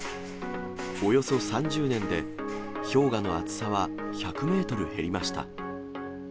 およそ３０年で氷河の厚さは１００メートル減りました。